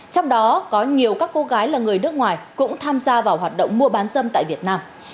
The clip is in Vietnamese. trong đó có nhiều các cô gái là người nước ngoài cũng tham gia vào hoạt động mua bán dâm tại việt nam